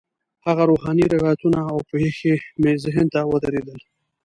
هغه روحاني روایتونه او پېښې مې ذهن ته ودرېدل.